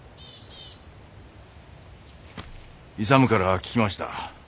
勇から聞きました。